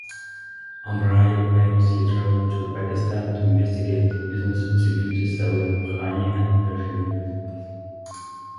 Almrei claims he traveled to Pakistan to investigate business possibilities selling honey and perfume.